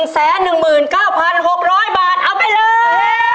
๑แสน๑หมื่น๙พัน๖๐๐บาทเอาไปเลย